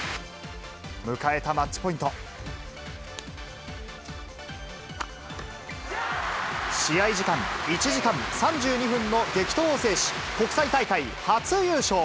迎えたマッチポイント。試合時間１時間３２分の激闘を制し、国際大会初優勝。